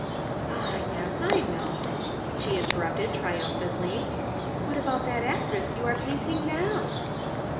"Ah, yes, I know," she interrupted triumphantly. "What about that actress you are painting now?"